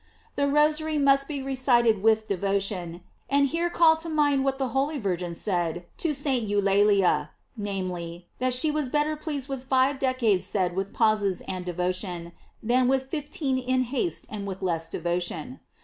The Rosary must be recited with devotion ; and here call to mind what the holy Virgin said to St. Eulalia, namely, that she was better pleased with five decades said with pauses and devotion, than with fifteen in haste and with less devotion.